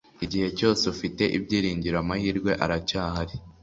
Igihe cyose ufite ibyiringiro, amahirwe aracyahari.